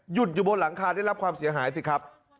อยู่บนหลังคาได้รับความเสียหายสิครับ